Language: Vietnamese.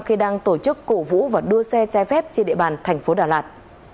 khi đang tổ chức cổ vũ và đua xe chai phép trên địa bàn tp đà lạt